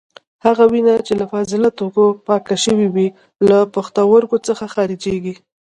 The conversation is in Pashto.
هغه وینه چې له فاضله توکو پاکه شوې وي له پښتورګو څخه خارجېږي.